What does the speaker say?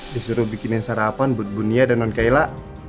disuruh bikinin sarapan buat bunia dan nankaila